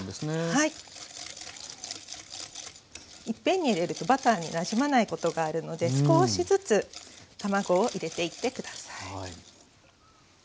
いっぺんに入れるとバターになじまないことがあるので少しずつ卵を入れていって下さい。